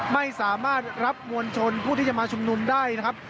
ไม่สามารถรับมวลชนผู้ที่จะมาชุมนุมได้นะครับ